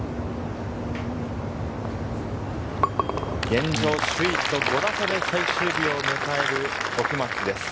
現状、首位と５打差で最終日を迎える時松です。